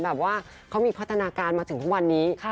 แบบว่าเขามีพัฒนาการมาถึงทุกวันนี้